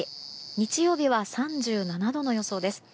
日曜日は３７度の予想です。